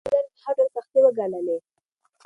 هغه د جګړې په میدان کې هر ډول سختۍ وګاللې.